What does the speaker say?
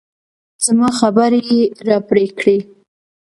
زما خبرې يې راپرې کړې.